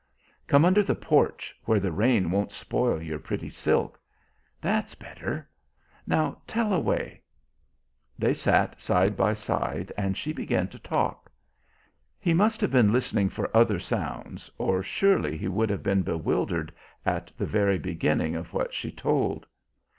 "Come under the porch, where the rain won't spoil your pretty silk. That's better. Now tell away." They sat side by side, and she began to talk. He must have been listening for other sounds, or surely he would have been bewildered at the very beginning of what she told.